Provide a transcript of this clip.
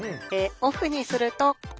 オフにすると。